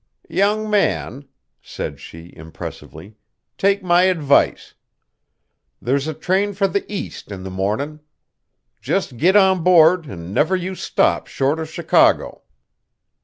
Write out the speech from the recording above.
"Young man," said she impressively, "take my advice. There's a train for the East in the mornin'. Just git on board, and never you stop short of Chicago."